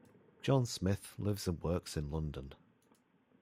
John Smith lives and works in London.